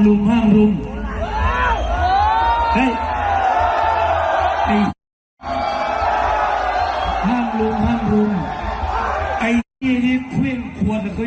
โอเคเอ้ยคุยกับของเลยถ้าไม่อยากฟังเพลงมึงกลับบ้านไปเลย